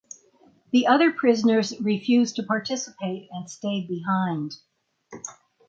The other prisoners refused to participate and stayed behind.